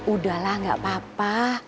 udah lah gak papa